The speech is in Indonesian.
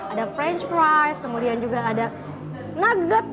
ada french fries kemudian juga ada nugget